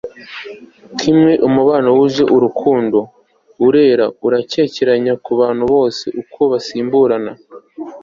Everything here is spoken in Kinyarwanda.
kimwe umubano wuje urukundo urera arakekeranya kubantu bose uko basimburana